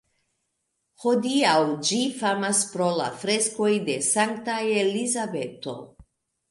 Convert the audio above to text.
Hodiaŭ ĝi famas pro la freskoj de Sankta Elizabeto.